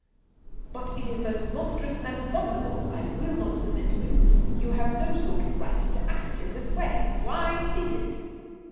"But it is most monstrous and abominable. I will not submit to it. You have no sort of right to act in this way. Why is it?"